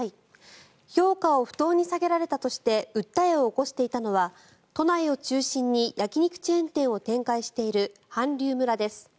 評価を不当に下げられたとして訴えを起こしていたのは都内を中心に焼き肉チェーン店を展開している韓流村です。